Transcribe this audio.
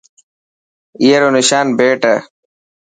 اي رو نشان بيٽ هي.